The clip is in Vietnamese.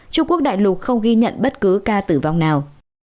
trung quốc đại lục không ghi nhận bất cứ ca tử vong nào